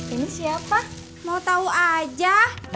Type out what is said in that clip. ini siapa mau tahu aja